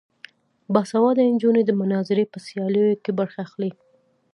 باسواده نجونې د مناظرې په سیالیو کې برخه اخلي.